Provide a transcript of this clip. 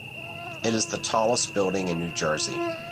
It is the tallest building in New Jersey.